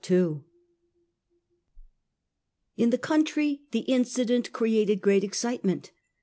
In the country the incident created great ex citement.